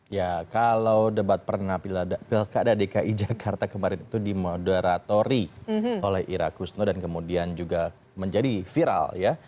ya kalau debat pernah pilkada dki jakarta kemarin itu dimoderatori oleh ira kusno dan kemudian juga menjadi viral ya